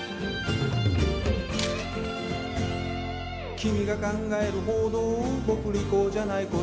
「君が考えるほど僕利口じゃない事」